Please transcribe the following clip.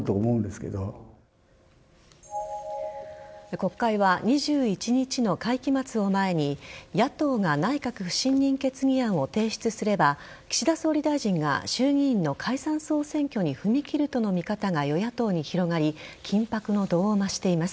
国会は、２１日の会期末を前に野党が内閣不信任決議案を提出すれば岸田総理大臣が衆議院の解散総選挙に踏み切るとの見方が与野党に広がり緊迫の度を増しています。